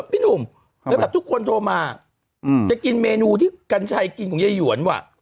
พี่หนุ่มแล้วแบบทุกคนโทรมาจะกินเมนูที่กัญชัยกินของยายหวนว่ะ